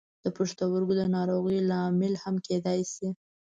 د پښتورګو د ناروغیو لامل هم کیدای شي.